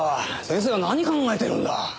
先生は何考えてるんだ？